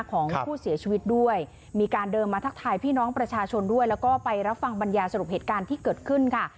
ของผู้เสียชีวิตด้วยมีการเดินมาทักทายพี่น้องประชาชนด้วยแล้วก็ไปรับฟังบรรยาสรุปเหตุการณ์ที่เกิดขึ้นค่ะ